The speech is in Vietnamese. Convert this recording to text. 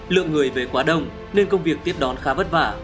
lượng người về quá đông nên công việc tiếp đón khá vất vả